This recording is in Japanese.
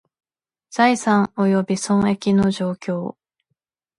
財産および損益の状況